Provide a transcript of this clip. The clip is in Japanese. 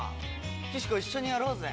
岸子一緒にやろうぜ。